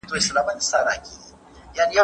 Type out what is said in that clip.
پوهاند عبدالحی حبيبي د کابل پوهنتون استاد وو.